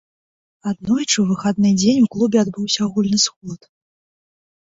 Аднойчы, у выхадны дзень, у клубе адбыўся агульны сход.